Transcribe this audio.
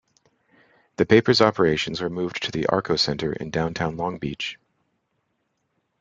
The paper's operations were moved to the Arco Center in downtown Long Beach.